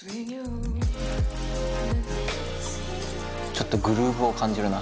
ちょっとグルーブを感じるな。